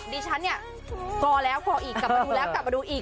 ดิฉันเนี่ยพอแล้วพออีกกลับมาดูแล้วกลับมาดูอีก